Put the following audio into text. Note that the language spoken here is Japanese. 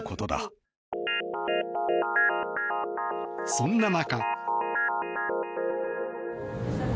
そんな中。